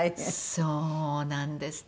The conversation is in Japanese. そうなんですね。